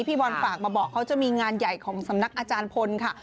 พี่บอลฝากมาบอกเขาจะมีงานใหญ่ของสำนักอาจารย์พลค่ะ